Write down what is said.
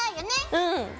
うん。